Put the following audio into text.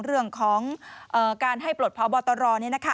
เรื่องของการให้ปลดเผาบอตรรอนี่นะคะ